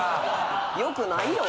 よくないよ。